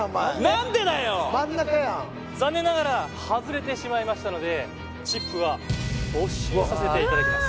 何でだよ残念ながら外れてしまいましたのでチップは没収させていただきます